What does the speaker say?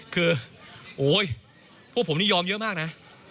คือโอ๊ยพวกผมนี่ยอมเยอะมากนะ